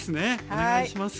お願いします。